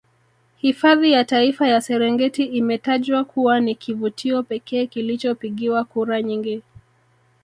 Hifadhi ya Taifa ya Serengeti imetajwa kuwa ni kivutio pekee kilichopigiwa kura nyingi